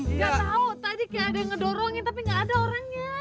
nggak tahu tadi kayak ada yang ngedorongin tapi nggak ada orangnya